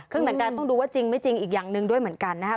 เหมือนกันต้องดูว่าจริงไม่จริงอีกอย่างหนึ่งด้วยเหมือนกันนะครับ